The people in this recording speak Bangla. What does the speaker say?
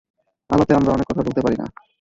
আলোতে আমরা অনেক কথা বলতে পারি না।